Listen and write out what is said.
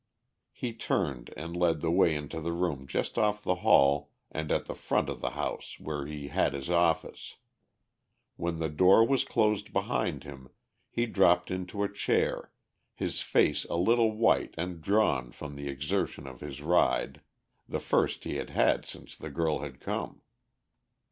He turned and led the way into the room just off the hall and at the front of the house where he had his office. When the door was closed behind him he dropped into a chair, his face a little white and drawn from the exertion of his ride, the first he had had since the girl had come.